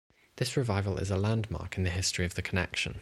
This revival is a landmark in the history of the Connection.